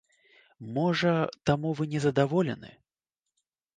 Можа таму вы незадаволены?